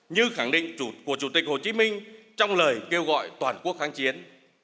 như khẳng định chủ của chủ tịch hồ chí minh trong lời kêu gọi toàn quốc kháng chiến